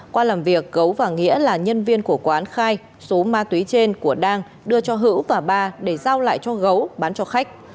qua làm việc gấu và nghĩa là nhân viên của quán khai số ma túy trên của đang đưa cho hữu và ba để giao lại cho gấu bán cho khách